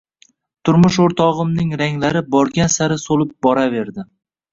Turmush oʻrtogʻimning ranglari borgan sari soʻlib boraverdi.